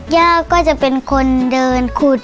ย่าก็จะเป็นคนเดินขุด